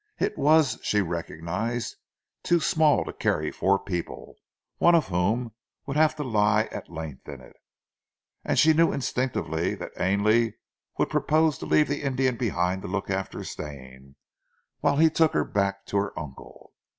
It was, she recognized, too small to carry four people, one of whom would have to lie at length in it; and she knew instinctively that Ainley would propose to leave the Indian behind to look after Stane whilst he took her back to her uncle.